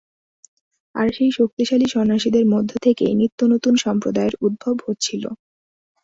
আর সেই শক্তিশালী সন্ন্যাসীদের মধ্য থেকেই নিত্যনূতন সম্প্রদায়ের উদ্ভব হচ্ছিল।